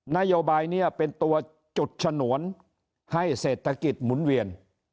นโยบายนี้เป็นตัวจุดฉนวนให้เศรษฐกิจหมุนเวียน